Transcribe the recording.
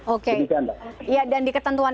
oke mbak ya dan di ketentuan